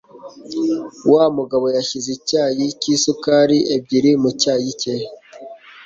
Wa mugabo yashyize icyayi cyisukari ebyiri mu cyayi cye.